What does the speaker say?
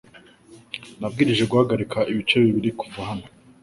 Nabwirijwe guhagarika ibice bibiri kuva hano .